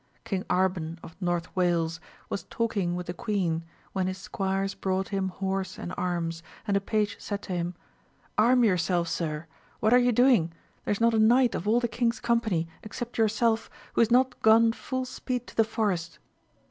King Arban of North Wales was talking with the queen, when his squires brought him horse and arms, and a page said to him. Arm yourself, sir ! what are you doing? there is not a knight of all the king's company, except yourself, who is not gone full speed to the forest.